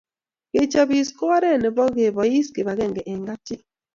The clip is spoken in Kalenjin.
Kechopis ko oret nebo kebois kipakenge eng kapchi